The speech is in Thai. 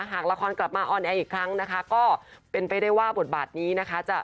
หากละครกลับมาออนแอร์อีกครั้งนะคะก็เป็นไปได้ว่าบทบาทนี้นะคะ